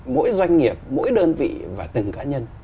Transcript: mỗi doanh nghiệp mỗi đơn vị và từng cá nhân